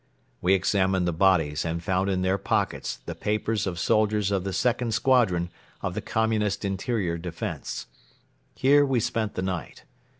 We examined the bodies and found in their pockets the papers of soldiers of the Second Squadron of the Communist Interior Defence. Here we spent the night.